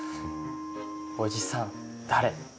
おじさん誰？